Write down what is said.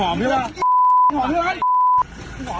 มันหอม